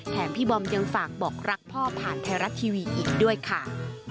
พี่บอมยังฝากบอกรักพ่อผ่านไทยรัฐทีวีอีกด้วยค่ะ